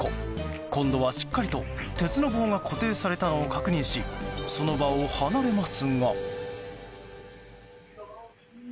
今度はしっかりと鉄の棒が固定されたのを確認しその場を離れますが。